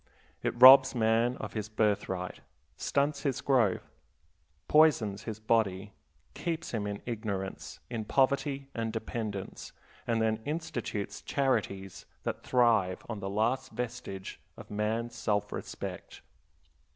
It robs man of his birthright, stunts his growth, poisons his body, keeps him in ignorance, in poverty, and dependence, and then institutes charities that thrive on the last vestige of man's self respect.